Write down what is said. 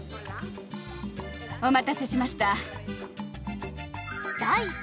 お待たせしました。